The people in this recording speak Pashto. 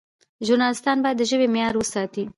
ژورنالیستان باید د ژبې معیار وساتي.